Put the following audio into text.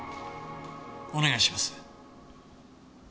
お願いします。